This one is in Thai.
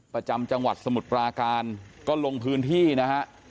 ประจำจังหวัดสมุทรปราการก็ลงพื้นที่นะฮะ